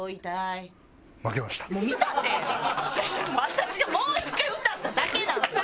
私がもう１回歌っただけなんですよ。